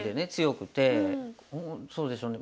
もうそうですよね